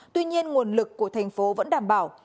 tuy nhiên nguồn lực của thành phố vẫn đảm bảo